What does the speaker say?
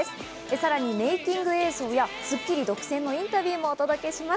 さらにメイキング映像やスッキリ独占インタビューもお届けします。